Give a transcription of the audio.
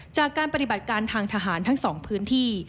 จากการปฏิบัติการทางทหารทั้ง๒พื้นที่